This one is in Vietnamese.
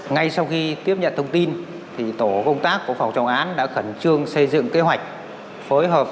ngay sau khi tiếp nhận thông tin tổ công tác của phòng trọng án đã khẩn trương xây dựng kế hoạch phối hợp